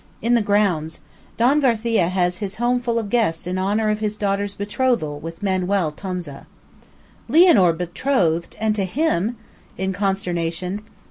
"In the grounds. Don Garcia has his home full of guests in honor of his daughter's betrothal with Manuel Tonza." "Lianor betrothed, and to him!" in consternation.